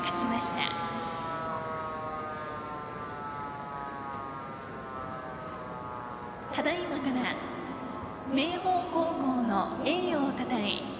ただいまから明豊高校の栄誉をたたえ